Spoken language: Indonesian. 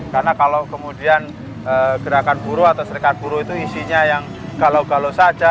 karena kalau kemudian gerakan buruh atau serikat buruh itu isinya yang galau galau saja